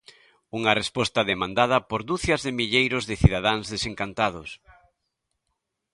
Unha resposta demandada por ducias de milleiros de cidadáns desencantados.